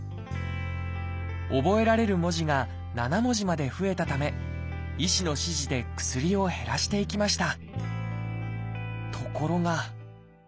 覚えられる文字が７文字まで増えたため医師の指示で薬を減らしていきました。